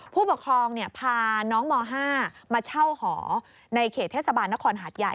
ผู้ปกครองพาน้องม๕มาเช่าหอในเขตเทศบาลนครหาดใหญ่